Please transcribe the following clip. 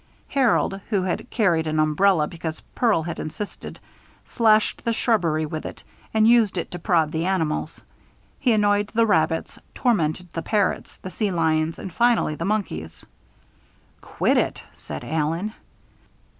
Harold, who had carried an umbrella because Pearl had insisted, slashed the shrubbery with it and used it to prod the animals. He annoyed the rabbits, tormented the parrots, the sea lion, and finally the monkeys. "Quit it," said Allen.